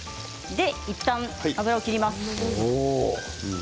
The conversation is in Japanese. いったん油を切ります。